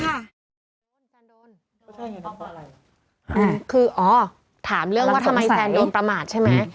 คืออ๋อถามเรื่องว่าทำไมแซนโดนประมาทใช่ไหม